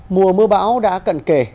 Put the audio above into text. mùa mưa bão đã cận kề